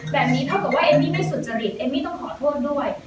แบบนี้เท่ากับว่าเอมมี่ไม่สุจริตเอมมี่ต้องขอโทษด้วย